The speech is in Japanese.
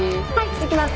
行きます。